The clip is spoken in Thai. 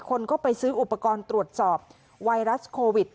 คนก็ไปซื้ออุปกรณ์ตรวจสอบไวรัสโควิด